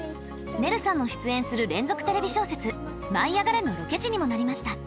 ねるさんも出演する連続テレビ小説「舞いあがれ！」のロケ地にもなりました。